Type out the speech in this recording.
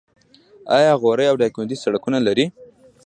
آیا غور او دایکنډي سړکونه لري؟